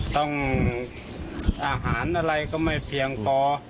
อาหารอะไรก็ไม่เพียงพอ